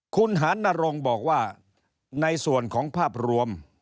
คุณหานรงค์บอกว่าในส่วนของภาพรวม